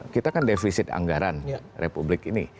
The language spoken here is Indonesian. kita kan defisit anggaran republik ini